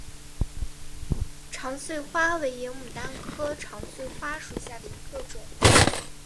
长穗花为野牡丹科长穗花属下的一个种。